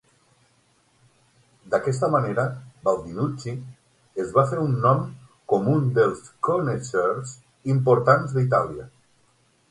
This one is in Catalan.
D'aquesta manera, Baldinucci es va fer un nom com un dels "connaisseurs" importants d'Itàlia.